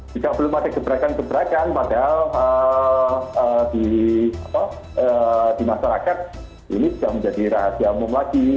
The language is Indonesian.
jika belum ada gebrakan gebrakan padahal di masyarakat ini sudah menjadi rahasia umum lagi